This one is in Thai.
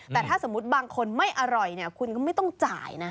แต่ถ้าสมมุติบางคนไม่อร่อยคุณก็ไม่ต้องจ่ายนะ